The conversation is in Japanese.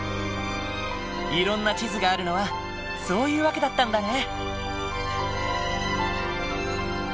いろんな地図があるのはそういう訳だったんだね。